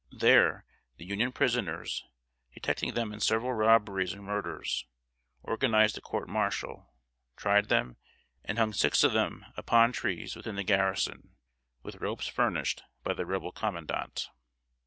There the Union prisoners, detecting them in several robberies and murders, organized a court martial, tried them, and hung six of them upon trees within the garrison, with ropes furnished by the Rebel commandant.